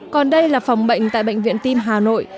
còn đây là phòng bệnh tại bệnh viện tim hà nội